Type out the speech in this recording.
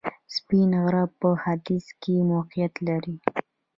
سپین غر په ختیځ کې موقعیت لري